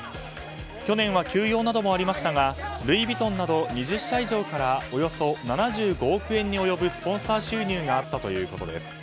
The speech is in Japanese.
去年は休養などありましたがルイ・ヴィトンなど２０社以上からおよそ７５億円に及ぶスポンサー収入があったということです。